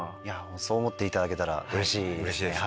そう思っていただけたら嬉しいですね。